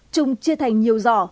trung chia thành nhiều giỏ